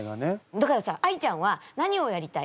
だからさあいちゃんは何をやりたい？